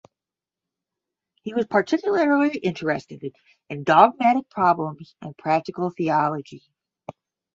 He was particularly interested in dogmatic problems and practical theology.